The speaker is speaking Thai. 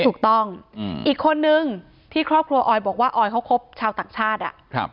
ถูกต้องอีกคนนึงที่ครอบครัวออยบอกว่าออยเขาคบชาวต่างชาติ